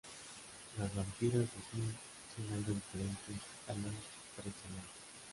Los vampiros de Smith son algo diferentes a los tradicionales.